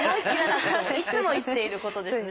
いつも言っていることです。